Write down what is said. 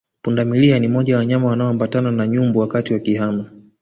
Pundamilia ni moja wa wanyama wanaoambatana na nyumbu wakati wakihama